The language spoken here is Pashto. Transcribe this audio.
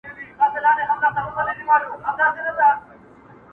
پاچهي د ځناورو وه په غرو کي،